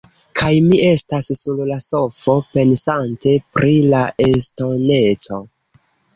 Kaj mi estas sur la sofo pensante pri la estoneco.